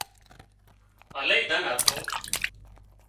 الاهي ڌن هتون